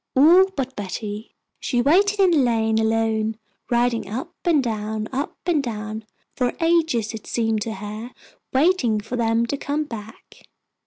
All but Betty. She waited in the lane alone, riding up and down, up and down, for ages it seemed to her, waiting for them to come back.